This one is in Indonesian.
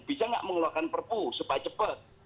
bisa nggak mengeluarkan perpu supaya cepat